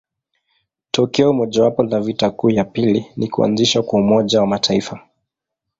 Tokeo mojawapo la vita kuu ya pili ni kuanzishwa kwa Umoja wa Mataifa.